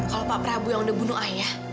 kalau pak prabowo yang udah bunuh ayah